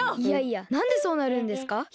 いやいやなんでそうなるんですか？